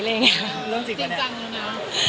จริงแล้วนะ